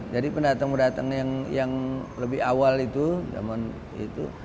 jadi pendatang pendatang yang lebih awal itu zaman itu